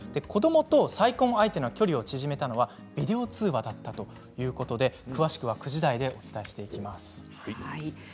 子どもと再婚相手の距離を縮めたのはビデオ通話だったということで詳しくは９時台でお伝えしていきます。